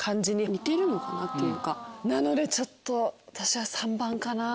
なのでちょっと私は３番かな。